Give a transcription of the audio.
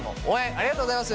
ありがとうございます！